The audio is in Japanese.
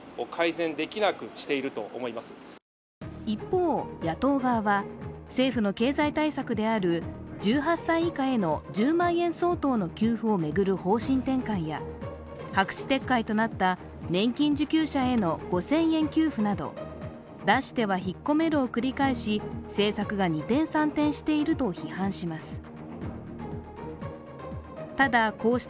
一方、野党側は政府の経済対策である１８歳以下への１０万円相当の給付を巡る方針転換や白紙撤回となった年金受給者への５０００円給付など出しては引っ込めるを繰り返し政策が二転三転していると批判します。